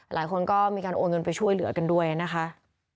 หลายคนก็มีการโอนเงินไปช่วยเหลือกันด้วยนะคะ